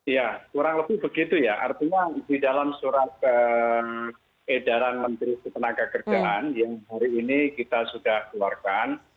ya kurang lebih begitu ya artinya di dalam surat edaran menteri ketenagakerjaan yang hari ini kita sudah keluarkan